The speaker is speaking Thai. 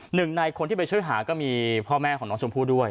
หนึ่งในคนที่ไปช่วยหาก็มีพ่อแม่ของน้องชมพู่ด้วย